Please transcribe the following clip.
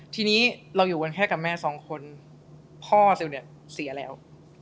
ทีนี้เราอยู่กันแค่กับแม่สองคนพ่อซิลเนี่ยเสียแล้ว